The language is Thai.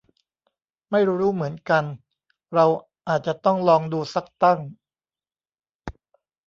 ไม่รู้เหมือนกัน เราอาจจะต้องลองดูซักตั้ง